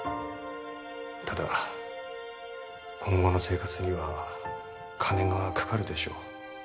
ただ今後の生活には金がかかるでしょう